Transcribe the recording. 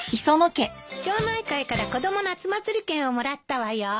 町内会から子供夏祭り券をもらったわよ。